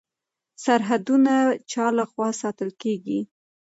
سرحدونه چا لخوا ساتل کیږي؟